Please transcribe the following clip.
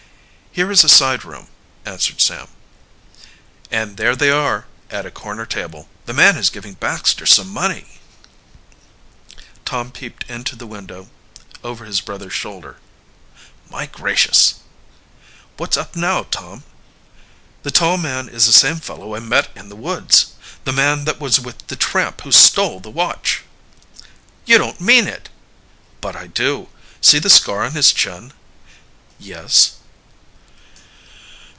"Here is a side room," answered Sam. "And there they are, at a corner table. The man is giving Baxter some money!" Tom peeped into the window over his brother's shoulder. "My gracious!" "What's up now, Tom?" "That tall man is the same fellow I met in the woods. The man that was with the tramp who stole the watch!" "You don't mean it!" "But I do! See the scar on his chin?" "Yes."